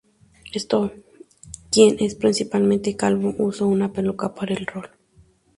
Stoll, quien es principalmente calvo, usó una peluca para el rol.